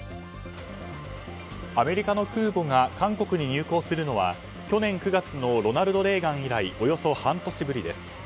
アメリカの空母が韓国に入港するのは去年９月の「ロナルド・レーガン」以来およそ半年ぶりです。